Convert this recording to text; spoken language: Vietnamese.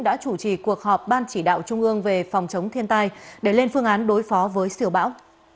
đã chủ trì cuộc họp ban chỉ đạo trung ương về phòng chống thiên tai để lên phương án đối phó với siêu bão